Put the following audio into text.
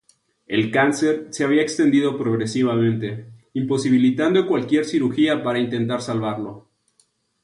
El cáncer se había extendido progresivamente, imposibilitando cualquier cirugía para intentar salvarlo.